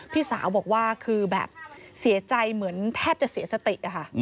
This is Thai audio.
พี่สาวบอกว่าคือแบบเสียใจเหมือนแทบจะเสียสติอะค่ะ